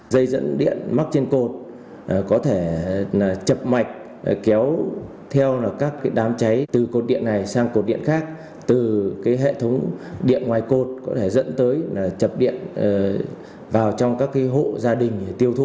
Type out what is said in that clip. dây dẫn điện mắc trên cột có thể chập mạch kéo theo các đám cháy từ cột điện này sang cột điện khác từ hệ thống điện ngoài cột có thể dẫn tới chập điện vào trong các hộ gia đình để tiêu thụ